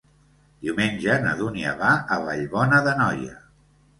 Diumenge na Dúnia va a Vallbona d'Anoia.